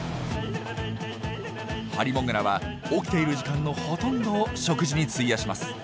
ハリモグラは起きている時間のほとんどを食事に費やします。